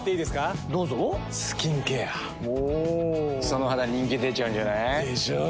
その肌人気出ちゃうんじゃない？でしょう。